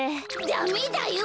ダメだよ！